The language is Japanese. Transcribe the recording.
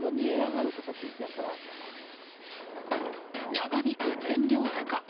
長引く燃料高。